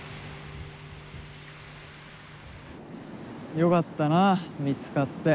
よかったな見つかって。